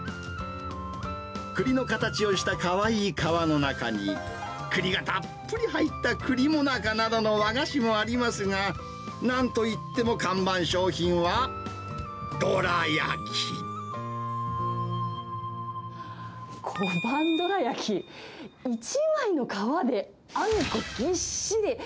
くりの形をしたかわいい皮の中に、くりがたっぷり入ったくりもなかなどの和菓子もありますが、なんと言っても看板商品は、どら焼き。小判どらやき、１枚の皮であんこぎっしり。